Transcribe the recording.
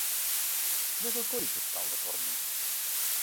Quin és el codi postal de Tormos?